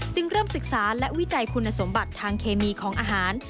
เริ่มศึกษาและวิจัยคุณสมบัติทางเคมีของอาหาร